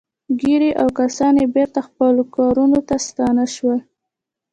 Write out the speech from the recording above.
ګیري او کسان یې بېرته خپلو کارونو ته ستانه شول